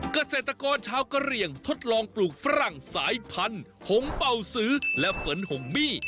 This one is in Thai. เกษตรกรชาวกะเหลี่ยงทดลองปลูกฝรั่งสายพันธุ์หงเป่าซื้อและเฟิร์นหงมี่